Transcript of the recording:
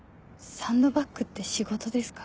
サンドバッグって仕事ですか？